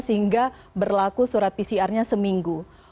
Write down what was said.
sehingga berlaku surat pcr nya seminggu